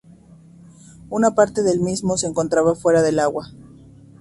Una parte del mismo se encontraba fuera del agua.